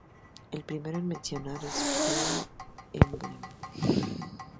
El primero en mencionar es "Fire Emblem".